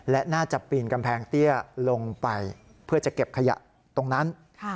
และน่าจะปีนกำแพงเตี้ยลงไปเพื่อจะเก็บขยะตรงนั้น